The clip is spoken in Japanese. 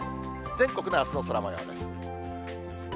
全国のあすの空もようです。